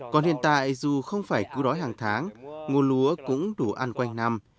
còn hiện tại dù không phải cứu đói hàng tháng nguồn lúa cũng đủ ăn quanh năm